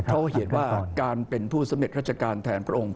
เขาเห็นว่าการเป็นผู้สำเร็จราชการแทนพระองค์